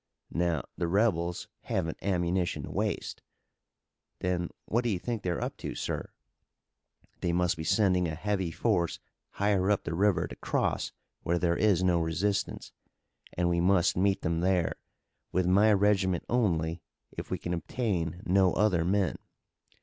Now, the rebels haven't ammunition to waste." "Then what do you think they're up to, sir?" "They must be sending a heavy force higher up the river to cross where there is no resistance. And we must meet them there, with my regiment only, if we can obtain no other men."